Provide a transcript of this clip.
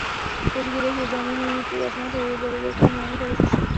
শশীকে দেখিয়া যামিনী চশমা খুলিয়া বলিল, কী মনে করে শশী?